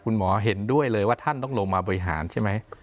เห็นด้วยเลยว่าท่านต้องลงมาบริหารใช่ไหม